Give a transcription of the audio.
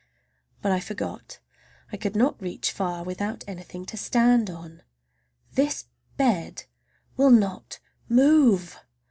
But I forgot I could not reach far without anything to stand on! This bed will not move!